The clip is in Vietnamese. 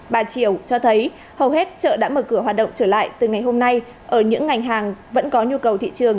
bà triều cho thấy hầu hết chợ đã mở cửa hoạt động trở lại từ ngày hôm nay ở những ngành hàng vẫn có nhu cầu thị trường